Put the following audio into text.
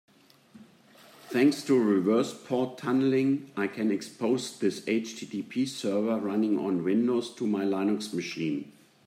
Thanks to reverse port tunneling, I can expose this HTTP server running on Windows to my Linux machine.